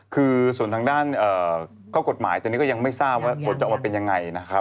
คือส่วนทางด้านข้อกฎหมายตัวนี้ก็ยังไม่ทราบว่าไปเป็นยังไง